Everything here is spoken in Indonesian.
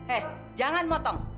eh jangan motong